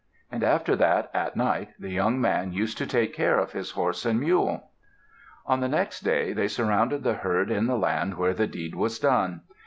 And after that at night the young man used to take care of his horse and mule. On the next day they surrounded the herd in the land where the deed was done.